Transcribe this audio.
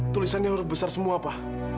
tulisannya huruf besar semua apa